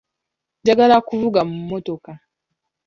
Njagala kuvuga mu mmotoka.